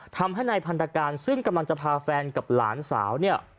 ทำให้นายพันธการซึ่งกำลังจะพาแฟนกับหลานสาวเนี่ย